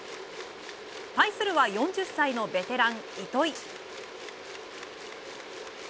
対するは４０歳のベテラン、糸井。